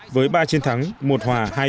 với ba chiến thắng một hòa hai chiến thắng